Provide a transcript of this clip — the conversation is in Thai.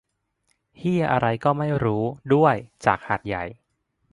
เหี้ยอะไรก็ไม่รู้ ด้วย จากหาดใหญ่